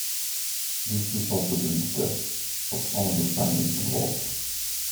This resulted in the death of all the Spaniards involved.